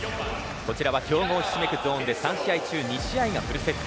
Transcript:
こちらは強豪ひしめくゾーンで３試合中２試合がフルセット